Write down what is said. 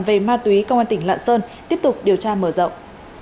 về ma túy công an tỉnh lạng sơn tiếp tục điều tra mở rộng